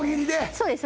そうです